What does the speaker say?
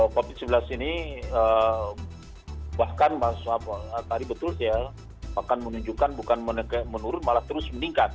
covid sembilan belas ini bahkan menunjukkan bukan menurun malah terus meningkat